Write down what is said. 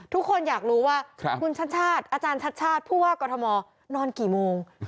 ทุกคนอยากรู้ว่าคุณชัดชาติอาจารย์ชัดชาติผู้ว่ากรทมนอนกี่โมง